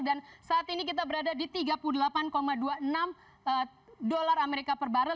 dan saat ini kita berada di tiga puluh delapan dua puluh enam dolar amerika per barrel